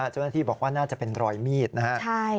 เจ้าหน้าที่บอกว่าน่าจะเป็นรอยมีดนะครับ